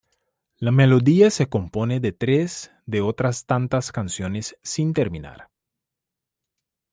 La melodía se compone de tres de otras tantas canciones sin terminar.